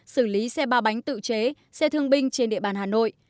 xử lý xe ba bánh tự chế xe thương binh trên địa bàn hà nội